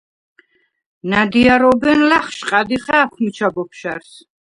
ნა̈დიარობენ ლა̈ხშყა̈დ ი ხა̄̈ქვ მიჩა ბოფშა̈რს: